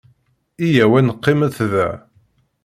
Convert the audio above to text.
Yya-w ad neqqimet da.